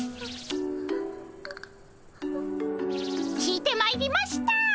聞いてまいりました。